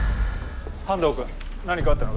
半藤君何かあったのか？